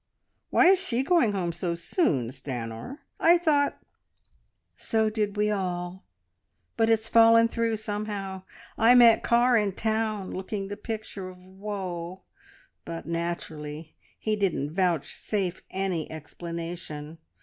Why is she going home so soon, Stanor? I thought " "So did we all, but it's fallen through somehow. I met Carr in town looking the picture of woe, but, naturally, he didn't vouchsafe any explanation.